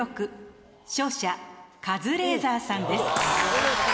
勝者カズレーザーさんです。